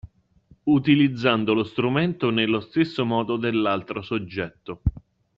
Utilizzando lo strumento nello stesso modo dell'altro soggetto.